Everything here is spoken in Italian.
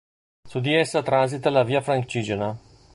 Su di essa transita la Via Francigena.